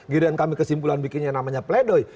giliran kami kesimpulan bikinnya namanya pledoi